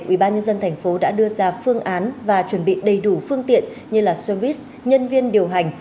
ubnd tp đã đưa ra phương án và chuẩn bị đầy đủ phương tiện như xe buýt nhân viên điều hành